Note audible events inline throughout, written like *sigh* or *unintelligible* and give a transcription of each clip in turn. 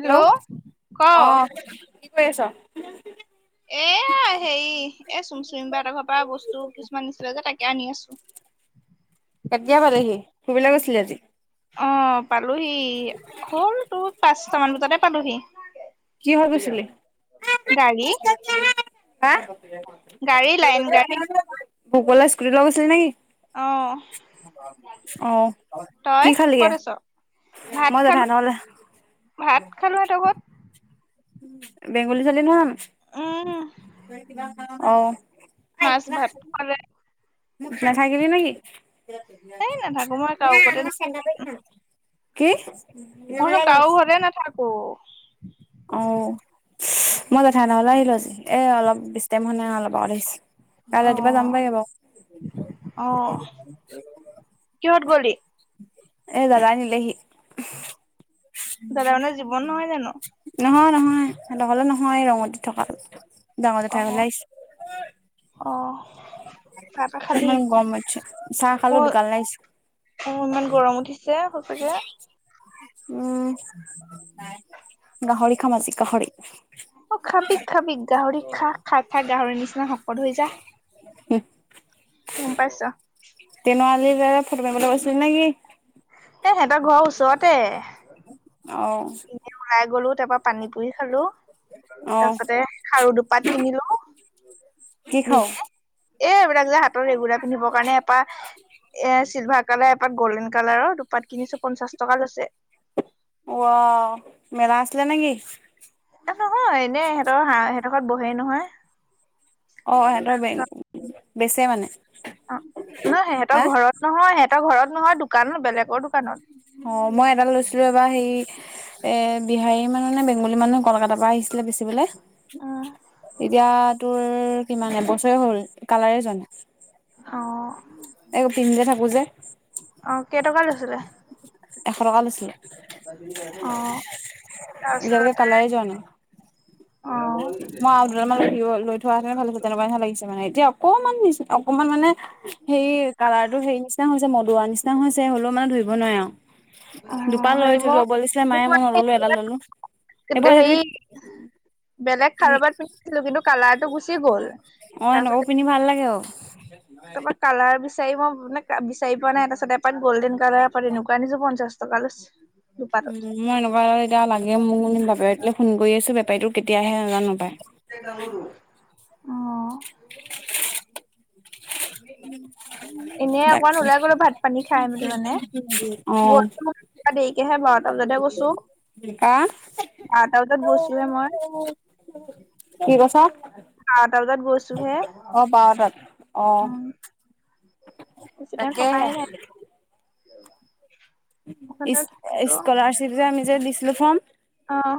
Hello ক অ কি কৰি আছ। এ হেৰি এ চুম চুমি বা সেতৰ ঘৰ পৰা বস্তু কিছুমান নিদিলে যে তাকে আনি আছো। কেতিয়া পালেহি ফুৰিবলৈ গৈছিলি আজি। অ পালোহি হ'ল তোৰ পাঁচটামান বজাতে পালোহি। কিহত গৈছিলি। গাড়ী। হা গাড়ী লাইন *unintelligible* গাড়ী ভোকা স্কুৰি লগৈছিল নেকি। অ অহ তই কি খালিগে। ক'ত আছ ভাত মই জেঠাই খালো নহ'লে। ভাত খালোঁ সিহঁতৰ ঘৰত। বেংগোলী ছোৱালী নহয় উম জানো অহ, মাছ ভাত খোৱালে। নাথাকিলি নিকি এই নাথাকো মই কাৰো ঘৰতে নাথাকো। *unintelligible* কি। মই চুন কাৰো ঘৰতে নাথাকোঁ। অ মই জেঠাই হেটৰ আহিলো আজি এ অলপ বেছি টাইম হোৱা নাই, অলপ আগত আহিছো। কাইলে অ ৰাতিপুৱা যামগেই বাও, অ কিহত গলি এই দাদাই নিলেহি। হয় জানো। নহয় নহয় নহলে নহয় ৰঙতি থকা ডাঙৰ জেঠাই ঘৰলে আহিছো। অহ, ম গম উঠিছে চাহ খালো অ দোকানলে আহিছোঁ। অ ইমান গৰম উঠিছে সঁচাকে। উম গাহৰি খাম আজি গাহৰি। অ খাবি খাবি গাহৰি খা খাই খাই গাহৰি নিচিনা শকত হৈ যা। হুহ গম পাইছ। তেনৰ আলীৰ যে ফটো মাৰিবলৈ গৈছিলি নেকি? এ সিহঁতৰ ঘৰৰ ওচৰতে। অ, ওলাই গ'লো তাৰ পা পানী পুৰি খালো। অ তাৰপিছতে খাৰু দুপাত কিনিলো কি খাও নিজে, এ এইবিলাক যে হাতৰ ৰেগুলাৰ পিন্ধিব কাৰণে এপা এ চিল্ভাৰ কালাৰ এপাত গ'ল্ডেন কালাৰৰ দুপাত কিনিছো পঞ্চাশ টকা লৈছে। উৱাও মেলা আছিলে নেকি? এ নহয় এনে সিহঁতৰ হা সেইডোখৰত বহেই নহয়। অ সিহঁতৰ বে তাৰপিছত বেচে মানে অ, নহয় সেহঁতৰ হা ঘৰত নহয় সেহঁতৰ ঘৰত নহয় দোকানত বেলেগৰ দোকানত অ, মই এডাল লৈছিলোঁ এবাৰ হেৰি এ বিহাৰী মানুহ নে বেংগলী মানুহ কলকাতাৰ পৰা আহিছ *unintelligible* বেচিবলে উম এতিয়া তোৰ কিমান এবছৰে হ'ল কালাৰে যোৱা নাই। অ এও পিন্ধি যে থাকো যে অ কেইটকা লৈছিলে এশ টকা লৈছিলে। অ, তাৰ এতিয়ালৈকে ওচৰতে কালাৰে যোৱা নাই মই অ', আৰু লৈ মানে কি হল লৈ থোৱা হেতেনে ভাল হৈছে তেনেকুৱাহে লাগিছে মানে এতিয়া অকমান নিচে অকমান মানে সেই কালাৰ টো সেৰি নিচিনা হৈছে মদুৰা নিচিনা হৈছে হলেওঁ মানে ধৰিব নোৱাৰে আওঁ। অ দুপাত লৈ হেৰি থো মোক ল'ব দিছিলে মোক মায়ে মই মানে নল'লো এডাল ল'লো এইবোৰ হেৰি আজিকালি বেলেগ খাৰু এপাত পিন্ধিছিলোঁ কিন্তু কালাৰটো গুচি গ'ল অ এনেকুৱাবোৰ তাৰপিছতে পিন্ধি ভাল লাগে অ, তাৰ পা কালাৰ বিচাৰি মই মানে বিচাৰি পোৱা নাই তাৰপাছত এপাৰ গল্ডেন কালাৰ এপাত এনেকুৱা আনিছোঁ পঞ্চাশ টকা লৈছে। দুপাতত উম, মই এনেকুৱা এতিয়া লাগে মোক মানে বাপেৰেকে ফোন কৰি আছে বেপাৰীতো কেতিয়াহে নাজানোপায়। *unintelligible* অ, *inaudible* এনে অকমান তাকে ওলাই গলো ভাত পানী খাই মেলি মানে অ *unintelligible* তা দেৰিকেহে বাৰটা বজাতহে গৈছো হা বাৰটা বজাত গৈছোহে মই। *unintelligible* কি কৈছা? আৰটা বজাত গৈছো হে। অ, বাৰটাত অ, বেছি টাইম থকাই তাকেহে। নাই। ইচ নাই -স্কলাৰশ্বিপ যে আমি যে দিছিলোঁ ফৰ্ম অ',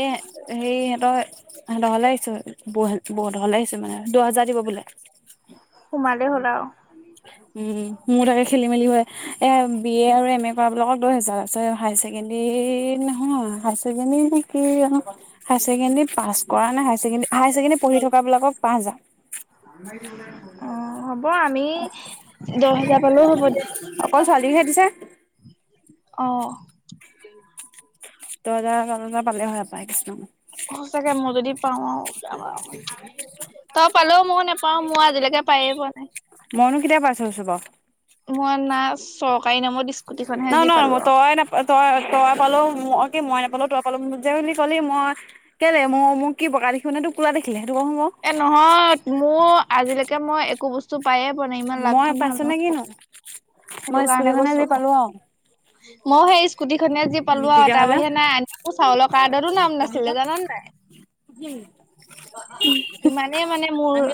এ সেই ইহঁতৰ হেহঁতৰ ঘৰলে আহিছো বৌ -বৌহতৰ ঘৰলে আহিছো মানে দহ হাজাৰ দিব বোলে। সোমালেই হ'ল আৰু। উম, মোৰ তাকে খেলি মেলি হয় এ বি এ আৰু এম এ কৰা বিলাকক দহ হেজাৰ পিছে হাই ছেকেণ্ডৰী নহয় হাই ছেকেণ্ডৰী নেকি হাই ছেকেণ্ডেৰী পাছ কৰা নাই হাই ছেকেণ্ডৰী হাই ছেকেণ্ডৰী পঢ়ি থকা বিলাকক পাঁচ হাজাৰ *unintelligible* অ, হ'ব আমি দহ হেজাৰ পালেও হ'ব দে। অকল ছোৱালীকহে দিছে অহ', দহ হাজাৰ - দহ হাজাৰ পালে হয় পাই কিছুমান। অ, সঁচাকে ম‌ই যদি দি পাওঁ আৰু *unintelligible* তই পালোওঁ মই নোপাওঁ মোৰ আজিলৈকে পায়ে পোৱা নাই। মইনো কেতিয়া পাইছোঁ এইচব বাওঁ? মই নাই চৰকাৰী নামত দিছ নহয় -নহয় মই তই নাপ তই- তই পালো কি মই নাপালো তই পালো মোক যে বুলি কলি মই কেলে মো মোক কি গালি শুনাটো *unintelligible* এ নহয় মোৰ আজিলৈকে মই একো বস্তু পায়ে পোৱা নাই ইমান মই লাকখন ভাল নহয়। *unintelligible* সেটো মই কাৰণে স্কুটিখনে কৈছো যি অ। পালো আৰু মই সেই স্কুটিখনে যি উম পালো আৰু তাৰ তেতিয়াহ'লে বাহিৰে নাই আনকি মো চাউলৰ কাৰ্ডৰো নাম নাছিলে জানা নে নাই *unintelligible* ইমানে মানে মোৰ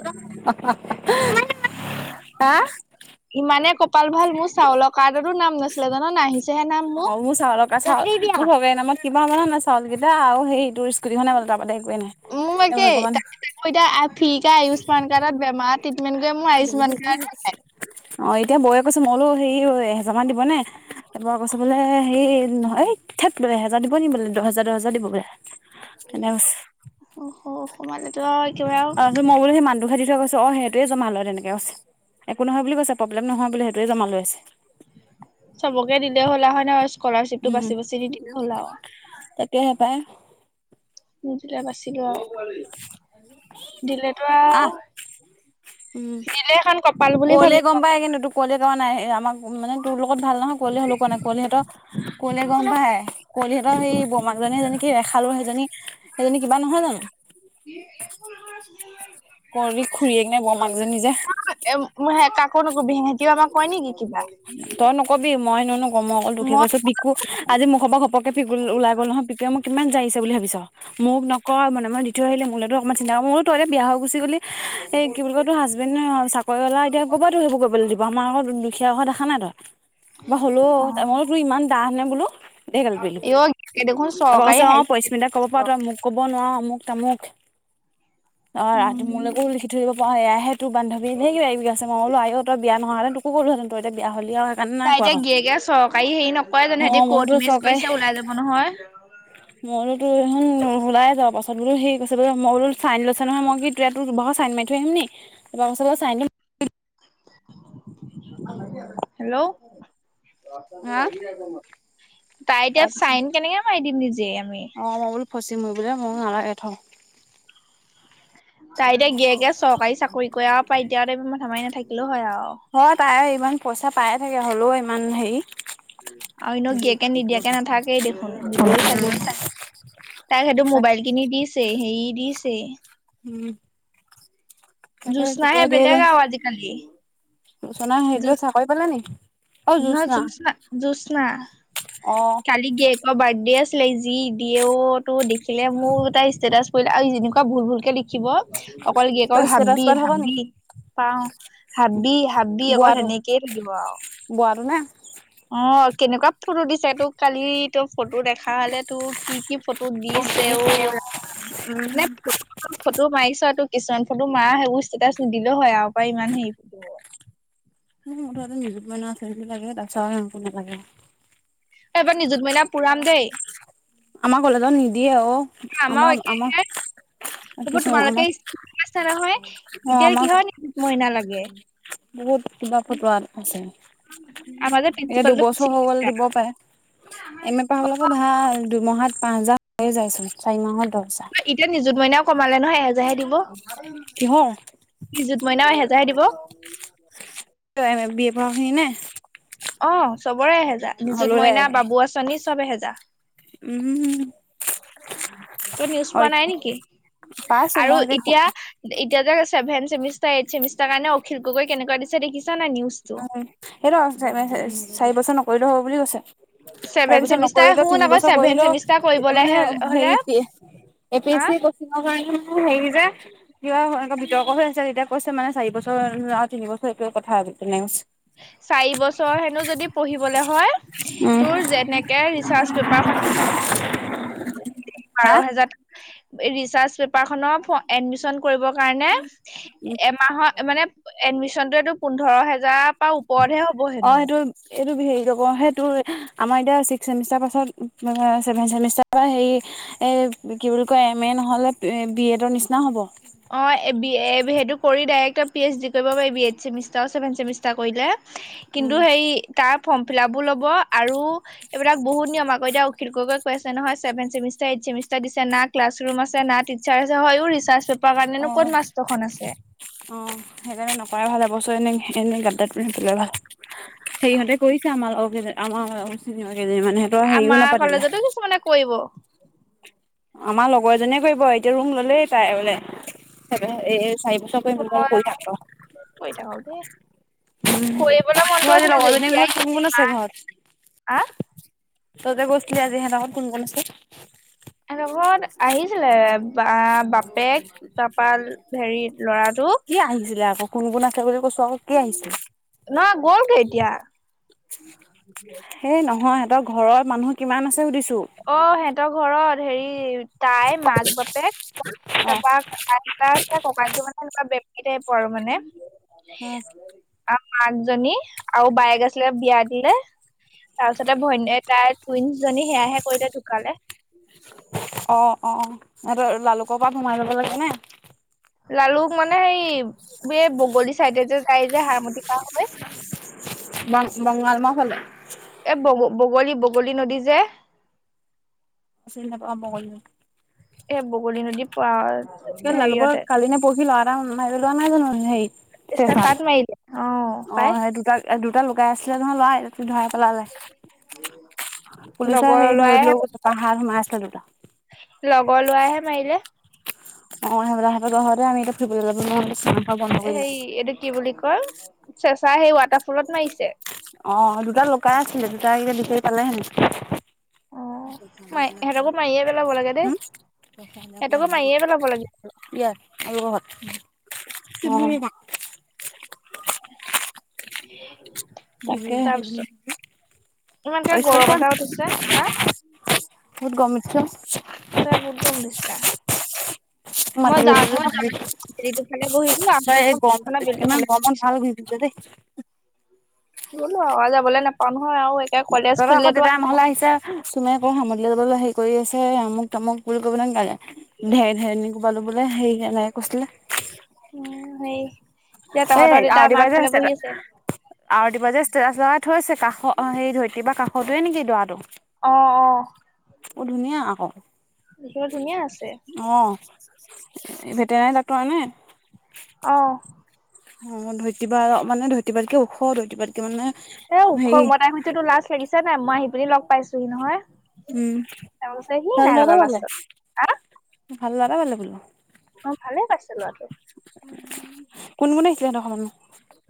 হা ইমানে কপাল ভাল মোৰ চাউল কাৰ্ডটো আৰু নাম নাছিলে জান না আহি অ মোৰ চাউল কাৰ্ড চাউল চৰকাৰি নামত কিবা জানা নাই চাউল কেইটা আৰু হেইটো স্কুটিখনে পলো তাৰবাদে একোৱেই নাই এই ভগৱান তোকো এতিয়া আ ফ্ৰি কে আয়ুস্মান কাৰ্ডত বেমাৰ ট্ৰিটমেণ্ট কৰে মোৰ আয়ুস্মান কাৰ্ডো নাই অ এতিয়া বৌয়ে কৈছো মই বোলো হেৰি ঐ এহেজাৰ মান দিবনে কেতেবা কৈছে বুলে হে নহয় থেইত এহেজাৰ দিব নিকি বোলে দহ হেজাৰ দহ হেজাৰ দিব বোলে তেনেকে কৈছে অ অ সোমালেতো আও একেবাৰে আও মোৰ সেই মানুহটোকে দি থৈছে অ সেইটোৱে জমা লয় তেনেকে কৈছে একো নহয় বুলি কৈছে প্ৰব্লেম নহয় বুলি সেইটোৱে জমা লৈ আছে চবকে দিলে হলা হয় নাই আৰু স্কলাৰশিপতটো বাচি বাচি দি দিলে হলাও সেইটোৱে সেপায় মোক যেতিয়া বাচি লয় আও দিলেতো আও আহ দিলে এখন কপাল বুলি ভাবিম আও কুঁৱলিয়ে কোৱা নাই এই আমাক মানে তোৰ লগত ভাল নহয় কুৱলি হলেওঁ কোৱা নাই কুৱলিহঁত কুৱলীয়ে গম পায়ে কুৱলীহতৰ এই বমাকজনী এজনীক কি ৰেখালো সেইজনী সেইজনী কিবা নহয় জানো *unintelligible* কুৱৰি খুৰীয়েক নে বৰমাক মাকজনী যে এ মোৰ কাকো নকবি হেঁতিও আমাক কয় নেকি কিবা তই নকবি মই নো নো মই অকল তোকে কৈছো। কো আজি মুখৰ পৰা ঘপকে ফিকোলি ওলাই গ'ল নহয় পিকোৱে মোক কিমান যাৰিছে বুলি ভাবিছ মোক নকয় মানে মই দি থৈ আহিলোঁ মোৰলেতো অকমান চিন্তা মই বোলোঁ তই যে বিয়া হৈ গচি গলি এই কি বুলি কয় তোৰ হাজবেণ্ডে চাকৰি হলা এতিয়া ক'বাতো সেইবোৰ কৰিবলে দিব আমাৰ আগত দুখীয়া ঘৰত দেখা নাই তই বা হ'লেও অ তুমি ইমান দাহ নে বোলো দে গালি পাৰিলো এই দেখোন তাপা চৰকাৰী কৈছে অ হাই পস্মিতাক ক'ব পাৰ ছেকেণ্ডাৰী তই মোক কব নোৱাৰ অমুক তামুক অ ৰাতি উম মোলেকেও লিখি থৈ দিব পাৰ এয়াহে তোৰ বান্ধৱীয়ে ধেই কিবাকিবি কৈছে মই কলো আই তই বিয়া নোহোৱা হলে তোকো কলোহেতেন তই এতিয়া হলি আও তাই এতিয়া গিয়েকে চৰকাৰী হেৰি নকয় অ জানোঁ সিহতি মোৰোতো কৰ্ট মেচ কৰিছে ওলাই যাব নহয় মই বোলো টো এইখন ওলাই যাওঁ পাছত বোলো সেই কৈছে বোলে মই বোলো চাইন লৈছে নহয় মই কি তো এয়াত তো ভাগৰ চাইন মাৰি থৈ আহিম নি তাপা কৈছে চাইনটো হেল্ল' হা তাই এতিয়া তাৰপিছত চাইন কেনেকে মাৰি দিম নিজে আমি ফচি মৰিবলে মই নালাগে থ তাই এতিয়া গিয়েকে চৰকাৰী চাকৰি কৰে পাই এতিয়া তই ইমান মাৰি নাথাকিলেও হয় আও হয় তাই ইমান পইচা পায়ে থাকে হলেও ইমান হেৰি আও এনেও দিয়াকে নিদিয়াকে নাথাকেই দেখোন দিবই চাগিন তাক সেইটো মোবাইল কিনি দিছে হেৰি দিছেই উম তাকে জুজনাহে কেতিয়া দিয়ে বেলেগ জানো আও আজিকালি জোচনা সেইটোৱে জোৎস চাকৰি পালে নে নহয় জুচনা জুচনা অ কালি গেট ত বাৰ্থডে আছিলে যি দিয়েও তো দেখিলে মোৰ এটা ষ্টেটাচ পৰিলে আৰু যেনেকুৱা ভুল ভুলকে লিখিব অকল গিৰিয়েকৰ তই ষ্টেটাছ হাবি পাই থাক নি হাবি পাও হাবি হাবি অকল সেনেকেই থাকিব আও বোৱা নে? অ কেনেকুৱা ফটো দিছে তোক কালি তোক ফটো দেখা হলে তো কি কি ফটো দিছে ঔ ৰা মুঠতে নে ফৌট- ফটো মাৰিছ তো কিছুমান ফটো মাৰা সেইবোৰ ষ্টেটাচটো দিলে হয় আৰু পৰা ইমান সেই মোৰ মুঠতে নিজুত মইনা আচনিটো লাগে তাছত একো নালাগে। এবাৰ নিজুত মিনা পুৰাম দেই। আমাৰ কলেজত নিদিয়ে অ আমাৰো আমাও একেহে আমাও হব তোমালোকো স্কুটি পাইছা নহয় অ এতিয়া আমাৰ কিহৰ নিজুত মইনা লাগে। বহুত কিবা ফটোৱাত আছে। আমাৰ যে এতিয়া প্ৰিন্সিপালটো দুবছৰ হৈ গ'ল দিব পায় এম এ পঢ়াবলেক ভাল। দুমাহত পাঁচ হাজাৰ হৈ যায়চোন চাৰি মাহৰ দছ হজাৰ। এতিয়া নিজুত মইনাও কমালে নহয় এহেজাৰহে দিব। কিহৰ? ই জুত মইনা এহেজাৰ দিব। এম বি এ পঢ়াখিনি নে? অ চবৰে এহেজা নিজুত হলৰে মইনা বাবু আচনি চব এহেজা। *unintelligible* ত নিউজ পোৱা হয় নাই নেকি পাইছো আৰু মই এতিয়া এতিয়া যে ছেভেন চেমিষ্টাৰ এইট চছেমিষ্টাৰ কাৰণে অখিল গগৈ কেনেকৈ দিছে দিখিছা নাই নিউজ উম সেইটো চাৰি বছৰ নকৰিলেও হ'ব বুলি কৈছে। তাৰ ছেভেন পিছৰ চেমিষ্টাৰ নকৰিলো শুন তিনি আকৌ বছৰ ছেভেন কৰিলো চেমিষ্টাৰ কৰিবলৈ মানে হে হলে এ পি এছ আহ চি ন কাৰণো সেই যে কিয়া এনে বিতৰ্ক হৈ আছে তেতিয়া কৈছে মানে চাৰি বছৰ ৰাও তিন বছৰ এইটোৱেই কথা তেনেকে কৈছে। চাৰি বছৰ হেনো যদি পঢ়িবলে হয় উম তোৰ যেনেকে ৰিচাৰ্চ পেপাৰখন হা বাৰ হাজাৰ ৰিচাৰ্চ পেপাৰ খনৰ এডমিশ্যন কৰিব কাৰণে উম এমাহৰ মানে এডমিশ্যনটো পোন্ধৰ হেজা- ত পা ওপৰহে হ'ব অ হেনো। সেইটো এইটো হেৰি ক সেই তোৰ আমাৰ এতিয়া ছিক্স চেমিষ্টাৰ পাছত চেভেন চেমষ্টাৰ পৰা সেই এ কি বুলি কয় এম এ নহলে বি এডৰ নিচিনা হ'ব। অ বি সেইটো কৰিদে ডাইৰেক্ট পি এইচ ডি কৰিব পাৰি B aid semester seventh semester কৰিলে। কিন্তু উম সেই তাৰ ফৰ্ম ফ্লাবো ল'ব আৰু এইবিলাক বহুত নিয়ম আকৌ এতিয়া অখিল গগৈ কৈ আছে নহয় ছেভেন ছেমিষ্টাৰ এইট ছেমিষ্টাৰ দিছে নাক- ক্লাছ ৰুম আছে না টিচাৰ্ছ আছে হয় ৰিচাৰ্চ পেপাৰ কাৰণেনো অ ক'ত মাষ্টৰখন আছে। অ সেইকাৰণে নকৰাই ভাল এবছৰ এনে এনে গাতদাত *unintelligible* ভাল সেইহতে কৰিছে আমাৰ লগৰ কেইজন *unintelligible* কেইজনীমানে হেতৰ হেৰিও নাপাতিলে কৈ ব। আমাৰ লগৰ এজনীয়ে কৰিব এতিয়া ৰুম ললেই তাই বোলে। চাবে এই চাৰি বছৰ কৰিম মৌ মই কৈ থাক ৰ উ কৰি থাকক দেই কৰিবলৈ মনটো তোৰ আজি আছিলে যে লগৰজনীৰ এতিয়া ঘৰ কোন কোন আছে ইমান ঘৰত? আহ তই যে কৈছিলি আজি হেত ঘৰত কোন‌ কোন আছে। এহঁতৰ লগত আহিছিলে বা বাপেক তাৰপাল ভেৰিত ল'ৰাটো কি আহিছিলে আকৌ কোন কোন আছে বুলি কৈছো আকৌ কি আহিছিলে? নহয় গ'লগে এতিয়া সেই নহয় সিহঁতৰ ঘৰৰ মানুহ কিমান আছে সুধিছো? অ হেতৰ ঘৰত হেৰি তাই, মাক-বাপেক, তাপাক টা দুটা আছে ককাইটো মানে এনেকুৱা বেমাৰী টাইপ আৰু মানে অ', অ', *unintelligible* অ মাকজনী আৰু বায়েক আছিলে বিয়া দিলে। তাৰপিছতে ভনীয়ে তাইৰ টুইনচ জনী সেয়াহে কৰিলে ঢুকালে। অ অ সিহঁতৰ লালুকৰ পৰা সোমাই যাব লাগেনে? লালুক মানে সেই এই বগলী চাইডে যে যায় যে হাৰমতি পাৰ হৈ বং বগাল মৌৱাও ফালে এই বগ বগলী -বগলী নদী যে চিনি নাপাওঁ বগলী নদী। এই বগলী নদী পাৰত। কেলে লালুকৰ কালি নে পৰহি লৱা এটা মাৰি পেলোৱা নাই জানো হেৰি চাত মাৰিলে অ চেচাত অ' পাই সেই দুটা দুটা লুকাই আছিলে নহয় লৰা। ধৰাই পেলালে পুলিচে লগৰ হেৰি লৰাইহে ধৰিলো পাহাৰত সোমাই আছিলে দুটা। লগৰ ল'ৰায়েহে মাৰিলে। অ' সিহঁতৰ জহতে আমি এতিয়া ফুৰিব যাবলে নোৱাৰা হৈছোঁ। হে এইটো কি বুলি কয় চেঁচা সেই ৱাটাৰ ফলত মাৰিছে। অ' দুটা লুকাই আছিলে দুটা বিচাৰি পালে হেনো। অ' হয় সেহেতকো মাৰিয়ে পেলাব। লাগে দেই সিহঁতকো মাৰিয়ে পেলাব লাগে। উম। *unintelligible* *unintelligible* তাৰপিছত তাকেহে। ইমানকে গৰম এটা উঠিছে হা বহুত গৰম উঠিছে অ ' সঁচাই বহুত গৰম দিছে। মই যাওঁতে বেলিটো ফালে বহিলো *unintelligible* তই, এই গম বিলটো ইমান ফালে গৰমত ভাল ঘূৰি ফুৰিছ দেই। গলো আৰু যাবলৈ নাপাওঁ নহয়, আৰু একে কলেজ তহঁতৰ আকৌ খুলিলেতো। দেউতাই আমাৰ ঘৰলে আহিছে চুমে এনেই হাৰমতিলে যাব হেৰি কৰি আছে আমুক -তামুক বুলি কবনে ঢেৰ -ঢেৰনি কোবালো। বোলে হেৰি নেলাগে কৈছিলে। উ, সেই। এই আৰতি বায়ে যে ষ্টেটাছ। আৰতি বায়ে যে ষ্টেটাছ লগাই থৈছে, কাষৰ ধৰিত্ৰী একেবাৰে কাষটোৱে নেকি দৰাটো। অ অ অ' ধুনীয়া আকৌ। দেখিবলে ধুনীয়া আছে। অভ এই ভেটেনেৰী ডাক্টৰ নে। অ' অ ' ধৰিত্ৰী বা মানে ধৰিত্ৰী বা তকৈ ওখধৰিত্ৰী বাতকৈ। কি মানে। এ ওখ হেৰি মই তাইক সুধিছো তোৰ লাজ লাগিছে নাই মই আহি পিনি লগ পাইছোহি নহয়। উম তাৰ পিছত সি ভাল নাই লগা ল'ৰা এটা লাষ্টত পালে। ভাল লৰা এটা পালে বোলো। অ 'ভালে পাইছিলো আকে। কোন কোন আহিছিলে সিহঁতৰ ঘৰৰ মানুহ।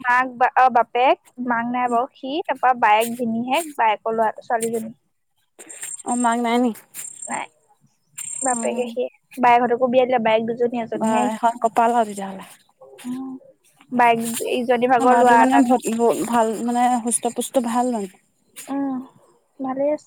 মাক বা অ', বাপেক মাক নাই বাৰু সি তা বা বায়েক ভিনিহিয়েক, বায়েকৰ ল'ৰাটো ছোৱালীজনী। অ', মাক নাই নি। নাই, অ বাপেকে সিয়ে, বায়েহঁতকো বিয়া দিলে বাইেক দুজ বা এখন কপাল হয় তেতিয়াহ'লে। বায়েক ইজনী ভাগৰ ল'ৰা আমাৰতো এটা মানে নেকি ভ-ভ ভাল মানে হিষ্ট পুষ্ট ভাল *unintelligible* উম, ভালেই আছে।